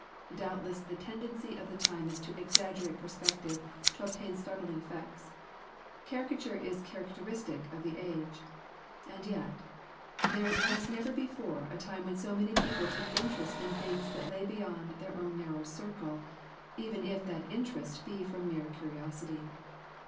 Doubtless the tendency of the time is to exaggerate perspective to obtain startling effects. Caricature is characteristic of the age. And yet, there was never before a time when so many people took interest in things that lay beyond their own narrow circle; even if that interest be from mere curiosity.